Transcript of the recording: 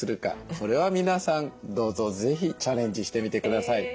これは皆さんどうぞ是非チャレンジしてみてください。